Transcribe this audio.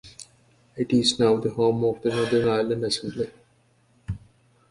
It is now the home of the Northern Ireland Assembly.